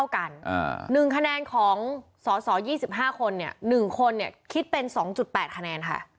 ๑คะแนนของสส๒๕คน๑คนคิดเป็น๒๘คะแนนค่ะ